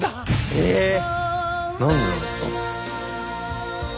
え何でなんですか？